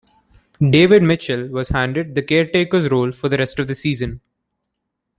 David Mitchell was handed the caretakers role for the rest of the season.